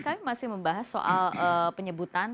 kami masih membahas soal penyebutan